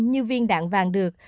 như viên đạn vàng được